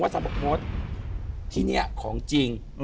คุณวดทีนี้ของจริง